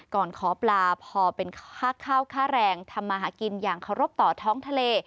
ขอปลาพอเป็นค่าข้าวค่าแรงทำมาหากินอย่างเคารพต่อท้องทะเล